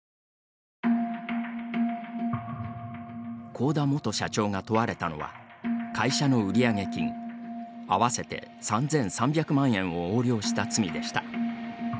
幸田元社長が問われたのは会社の売上金、合わせて３３００万円を横領した罪でした。